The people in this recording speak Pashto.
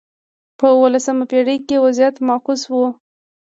په اولسمه پېړۍ کې وضعیت معکوس شو.